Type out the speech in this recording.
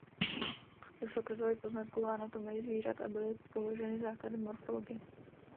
Došlo k rozvoji poznatků o anatomii zvířat a byly položeny základy morfologie.